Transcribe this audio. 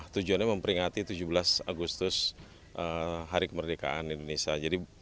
tujuannya memperingati tujuh belas agustus hari kemerdekaan indonesia